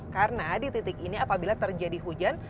karena di titik ini apabila terjadi hujan